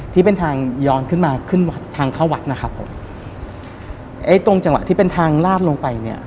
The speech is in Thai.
ที่เป็นทางย้อนขึ้นมาขึ้นวัดทางเข้าวัดนะครับผมไอ้ตรงจังหวะที่เป็นทางลาดลงไปเนี้ย